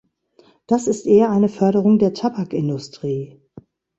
Das ist eher eine Förderung der Tabakindustrie.